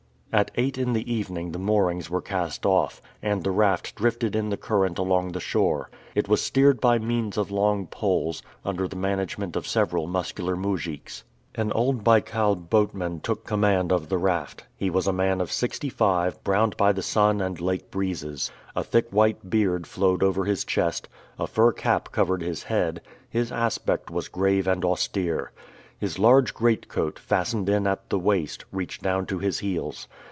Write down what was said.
At eight in the evening the moorings were cast off, and the raft drifted in the current along the shore. It was steered by means of long poles, under the management of several muscular moujiks. An old Baikal boatman took command of the raft. He was a man of sixty five, browned by the sun, and lake breezes. A thick white beard flowed over his chest; a fur cap covered his head; his aspect was grave and austere. His large great coat, fastened in at the waist, reached down to his heels.